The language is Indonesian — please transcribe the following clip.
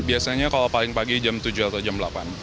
biasanya kalau paling pagi jam tujuh atau jam delapan